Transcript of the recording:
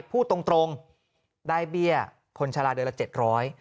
พูดตรงได้เบี้ยคนชะลาเดือนละ๗๐๐บาท